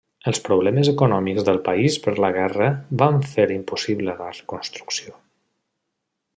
Els problemes econòmics del país per la guerra van fer impossible la reconstrucció.